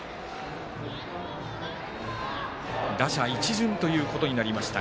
打者一巡ということになりました